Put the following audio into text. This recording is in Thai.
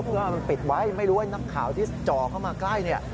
เพื่อมันปิดไว้ไม่รู้ว่านักข่าวที่จ่อเข้ามาใกล้เนี่ย